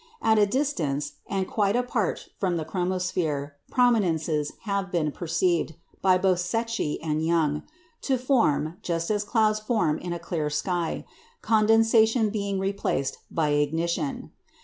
At a distance, and quite apart from the chromosphere, prominences have been perceived, both by Secchi and Young, to form, just as clouds form in a clear sky, condensation being replaced by ignition.